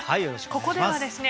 ここではですね